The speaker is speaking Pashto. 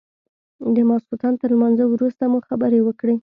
د ماخستن تر لمانځه وروسته مو خبرې وكړې.